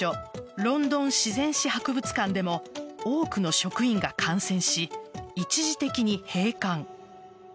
ロンドン自然史博物館でも多くの職員が感染し一時的に閉館。